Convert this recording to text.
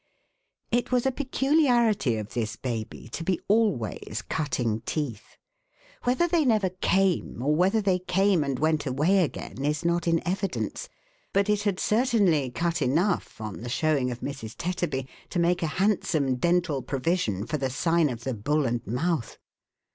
It was a peculiarity of this baby to be always cutting teeth. Whether they never came, or whether they came and went away again, is not in evidence ; but it had certainly cut enough, on the showing of Mrs. Tetterby, to make a hand some dental provision for the sign of the Bull and Mouth.